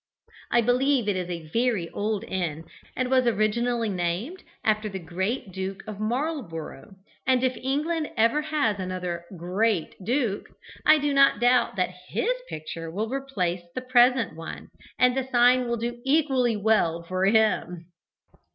I believe it is a very old inn, and was originally named after the great Duke of Marlborough, and if England ever has another "great" Duke, I do not doubt that his picture will replace the present one, and the sign will do equally well for him.